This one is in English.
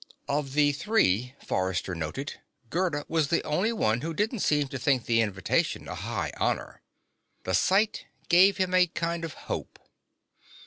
Of the three, Forrester noted, Gerda was the only one who didn't seem to think the invitation a high honor. The sight gave him a kind of hope.